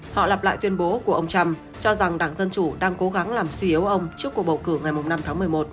họ lặp lại tuyên bố của ông trump cho rằng đảng dân chủ đang cố gắng làm suy yếu ông trước cuộc bầu cử ngày năm tháng một mươi một